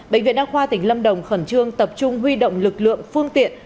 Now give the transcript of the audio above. bệnh viện đa khoa tỉnh lâm đồng khẩn trương tập trung huy động lực lượng phương tiện